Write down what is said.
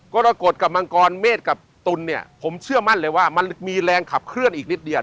กรกฎกับมังกรเมฆกับตุลเนี่ยผมเชื่อมั่นเลยว่ามันมีแรงขับเคลื่อนอีกนิดเดียว